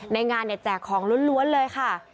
ในงานแจกของล้วนเลยค่ะ